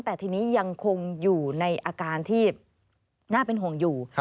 แต่ทีนี้ยังคงอยู่ในอาการที่น่าเป็นห่วงอยู่